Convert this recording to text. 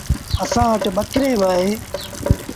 اسآݩ وٽ ٻڪريݩ با اوهيݩ۔